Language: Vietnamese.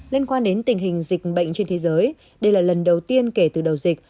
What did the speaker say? liên quan đến tình hình dịch bệnh trên thế giới đây là lần đầu tiên kể từ đầu dịch